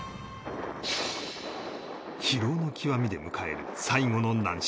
疲労の極みで迎える最後の難所